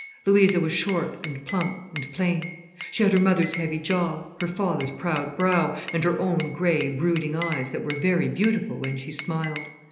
Louisa was short and plump and plain. She had her mother's heavy jaw, her father's proud brow, and her own grey, brooding eyes that were very beautiful when she smiled.